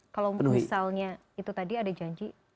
kalau misalnya itu tadi ada janji